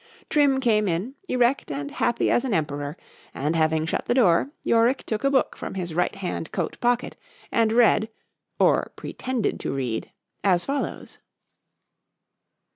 ——Trim came in, erect and happy as an emperor; and having shut the door, Yorick took a book from his right hand coat pocket, and read, or pretended to read, as follows.